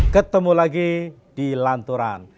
ketemu lagi di lanturan